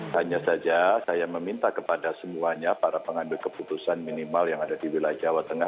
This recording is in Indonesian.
hanya saja saya meminta kepada semuanya para pengambil keputusan minimal yang ada di wilayah jawa tengah